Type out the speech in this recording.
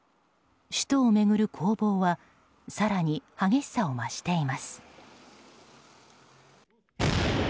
首都を巡る攻防は更に激しさを増しています。